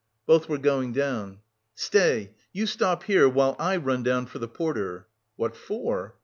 Both were going down. "Stay. You stop here while I run down for the porter." "What for?"